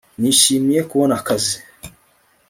Nishimiye kubona akazi